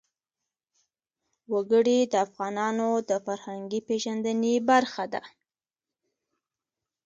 وګړي د افغانانو د فرهنګي پیژندنې برخه ده.